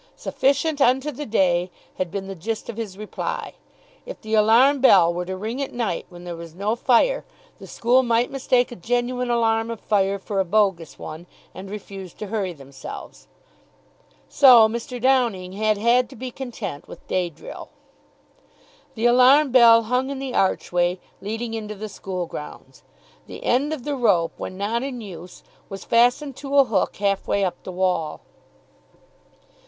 "Sufficient unto the day" had been the gist of his reply. If the alarm bell were to ring at night when there was no fire, the school might mistake a genuine alarm of fire for a bogus one, and refuse to hurry themselves. So Mr. Downing had had to be content with day drill. The alarm bell hung in the archway leading into the school grounds. The end of the rope, when not in use, was fastened to a hook half way up the wall.